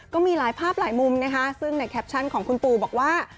ก็มีหลายภาพหลายมุมนะคะซึ่งในแคปชั่นของคุณปูบอกว่า